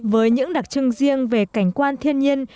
với những đặc trưng riêng về cảnh quan thiên nhiên